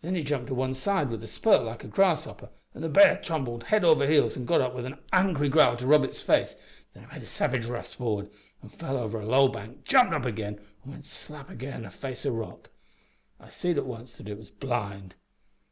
Then he jumped a one side with a spurt like a grasshopper, an' the b'ar tumbled heels over head and got up with an angry growl to rub its face, then it made a savage rush for'ard and fell over a low bank, jumped up again, an' went slap agin a face of rock. I seed at once that it was blind.